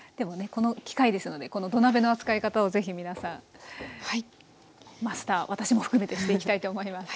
この機会ですのでこの土鍋の扱い方をぜひ皆さんマスター私も含めてしていきたいと思います。